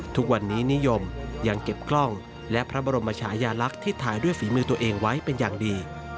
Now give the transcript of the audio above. ทุกวันนี้นิยมยังเก็บกล้องและพระบรมชายาลักษณ์ที่ถ่ายด้วยฝีมือตัวเองไว้เป็นอย่างดี